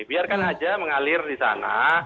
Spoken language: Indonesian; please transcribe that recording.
biarkan aja mengalir di sana